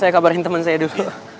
saya kabarin temen saya dulu